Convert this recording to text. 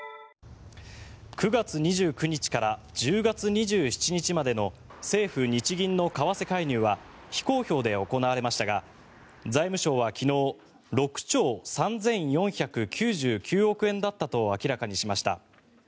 ９月２９日から１０月２７日までの政府・日銀の為替介入は非公表で行われましたが財務省は昨日６兆３４９９億円だったと明らかにしました。